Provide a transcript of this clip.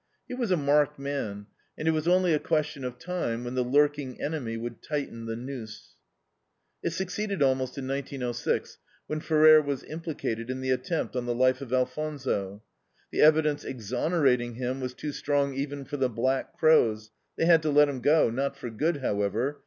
He was a marked man, and it was only a question of time when the lurking enemy would tighten the noose. It succeeded, almost, in 1906, when Ferrer was implicated in the attempt on the life of Alfonso. The evidence exonerating him was too strong even for the black crows; they had to let him go not for good, however.